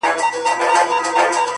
درته گران نه يمه زه!